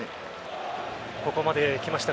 ここまで来ました。